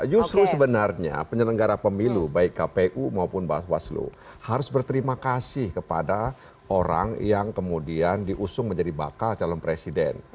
justru sebenarnya penyelenggara pemilu baik kpu maupun bawaslu harus berterima kasih kepada orang yang kemudian diusung menjadi bakal calon presiden